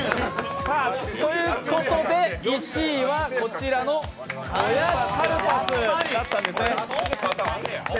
ということで、１位はこちらのおやつカルパスだったんですね。